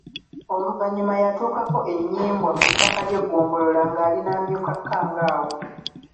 Oluvannyuma yatuukako e Nnyimbwa ku ttaka ly'eggombolola ng'ali n'amyuka Kkangawo.